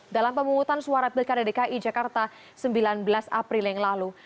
dalam pemungutan suara pilkada dki jakarta sembilan belas april yang lalu